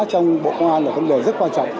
trong bộ công an là vấn đề rất quan trọng